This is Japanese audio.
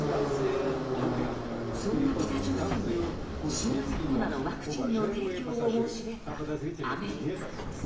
そんな北朝鮮に新型コロナのワクチンの提供を申し出たアメリカ。